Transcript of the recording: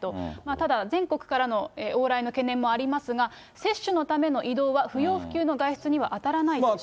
ただ、全国からの往来の懸念もありますが、接種のための移動は不要不急の外出には当たらないとしています。